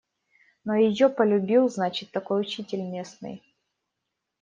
Но её полюбил, значит, такой учитель местный.